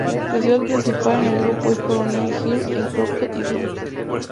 La ciudad principal en el grupo es Coronel Hill en Crooked Island.